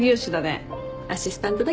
アシスタントだけどね。